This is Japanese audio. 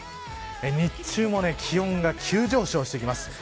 日中も気温が急上昇してきます。